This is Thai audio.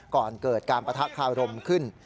ก่อนเกิดการปะทะคารมขึ้น